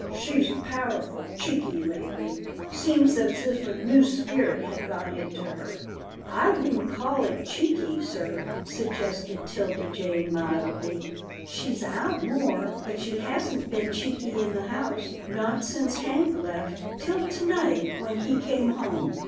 She's powerful cheeky lately. Seems as if a new spirit had got into her." " I wouldn't call it cheeky, sir," suggested 'Tilda Jane, mildly. " She's out more, but she hasn't been cheeky in the house, not since Hank left, till to night when he came home."